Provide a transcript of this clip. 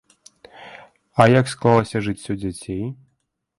А як склалася жыццё дзяцей?